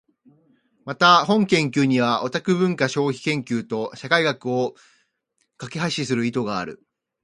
また、本研究にはオタク文化消費研究と社会学を架橋する意図がある。